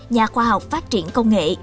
nhà khoa học phát triển công nghệ